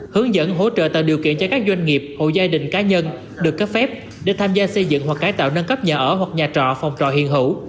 hướng dẫn hỗ trợ tạo điều kiện cho các doanh nghiệp hộ gia đình cá nhân được cấp phép để tham gia xây dựng hoặc cải tạo nâng cấp nhà ở hoặc nhà trọ phòng trọ hiện hữu